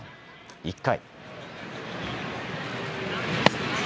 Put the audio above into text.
１回。